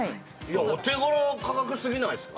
お手頃価格すぎないですか。